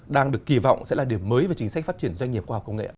đang được kỳ vọng sẽ là điểm mới về chính sách phát triển doanh nghiệp khoa học công nghệ